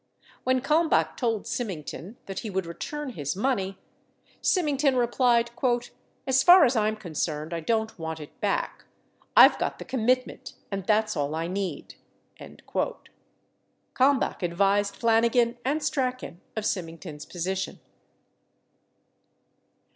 When Kalmbach told Symington that he would return his money, Symington replied, "As far as I'm concerned, I don't want it back. I've got the commitment, and that's all I need." Kalmbach advised Flanigan and Strachan of Symington's position.